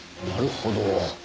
なるほど。